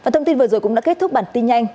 thông tin vừa rồi cũng đã kết thúc bản tin nhanh